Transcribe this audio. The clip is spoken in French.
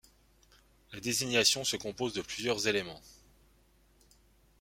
La désignation se compose de plusieurs éléments.